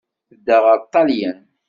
Tedda ɣer Ṭṭalyan.